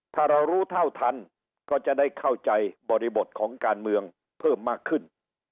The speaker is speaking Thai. ถ้าเรารู้เท่าทันก็จะได้เข้าใจบริบทของการเมืองเพิ่มมากขึ้น